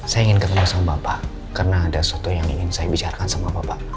saya ingin ketemu sama bapak karena ada sesuatu yang ingin saya bicarakan sama bapak